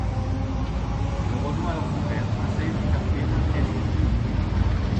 Il rejoint alors son père, installé dans le quartier de Hell's Kitchen.